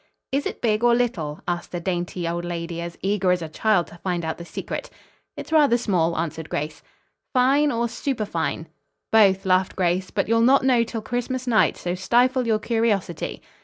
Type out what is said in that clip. "Is it big or little?" asked the dainty old lady as eager as a child to find out the secret. "It's rather small," answered Grace. "Fine or superfine?" "Both," laughed Grace. "But you'll not know till Christmas night; so stifle your curiosity."